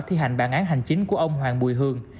thi hành bản án hành chính của ông hoàng bùi hương